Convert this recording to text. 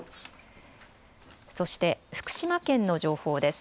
そして福島県の情報です。